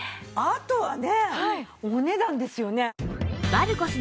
あとはねお値段ですよね。